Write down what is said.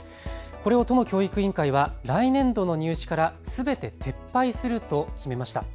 これを都の教育委員会は来年度の入試からすべて撤廃すると決めました。